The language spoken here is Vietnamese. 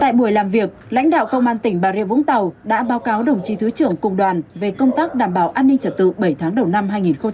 tại buổi làm việc lãnh đạo công an tỉnh bà rịa vũng tàu đã báo cáo đồng chí thứ trưởng cùng đoàn về công tác đảm bảo an ninh trật tự bảy tháng đầu năm hai nghìn hai mươi bốn